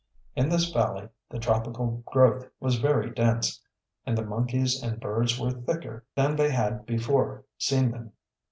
In this valley the tropical growth was very dense, and the monkeys and birds were thicker than they had before seen them.